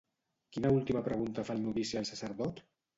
Quina última pregunta fa el novici al sacerdot?